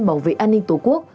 bảo vệ an ninh tổ quốc